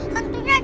kita pulang ya ya